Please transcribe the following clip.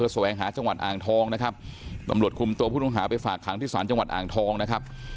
แสวงหาจังหวัดอ่างทองนะครับตำรวจคุมตัวผู้ต้องหาไปฝากขังที่ศาลจังหวัดอ่างทองนะครับ